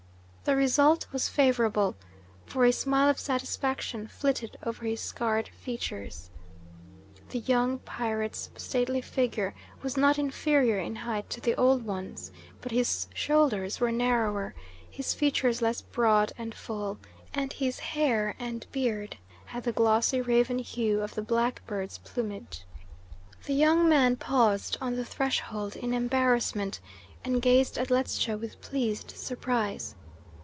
The result was favourable, for a smile of satisfaction flitted over his scarred features. The young pirate's stately figure was not inferior in height to the old one's, but his shoulders were narrower, his features less broad and full, and his hair and beard had the glossy raven hue of the blackbird's plumage. The young man paused on the threshold in embarrassment, and gazed at Ledscha with pleased surprise.